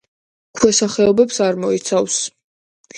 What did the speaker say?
ქვესახეობებს არ მოიცავს.